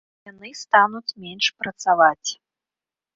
Яны стануць менш працаваць.